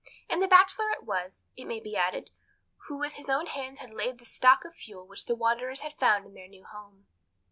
And the Bachelor it was, it may be added, who with his own hands had laid in the stock of fuel which the wanderers had found in their new home.